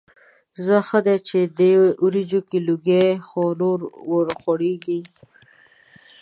ځه ښه دی چې د دې وریجو لوګي خو ورخوريږي.